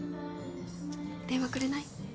電話くれない？